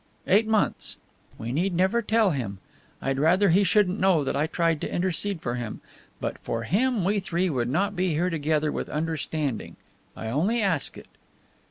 Eight months! We need never tell him. I'd rather he shouldn't know that I tried to intercede for him. But for him we three would not be here together, with understanding. I only ask it."